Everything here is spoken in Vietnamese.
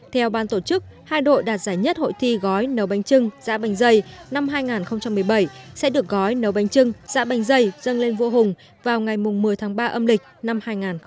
theo ban tổ chức hai đội đạt giải nhất hội thi gói nấu bánh trưng dạ bánh dày năm hai nghìn một mươi bảy sẽ được gói nấu bánh trưng dạ bánh dày dân lên vua hùng vào ngày một mươi tháng ba âm lịch năm hai nghìn một mươi chín